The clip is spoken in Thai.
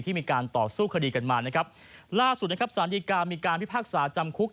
มีการต่อสู้คดีกันมานะครับล่าสุดนะครับสารดีกามีการพิพากษาจำคุก